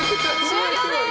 終了です。